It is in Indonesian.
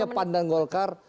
makanya pandan golkar